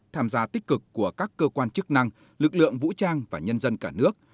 tham gia tích cực của các cơ quan chức năng lực lượng vũ trang và nhân dân cả nước